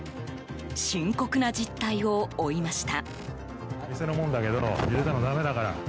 深刻な実態を追いました。